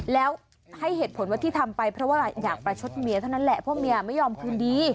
แล้วให้เหตุผลว่าที่ทำไปเพราะว่าอยากประชดเมียเท่านั้นแหละเพราะเมียไม่ยอมคืนดี